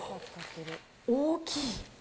大きい。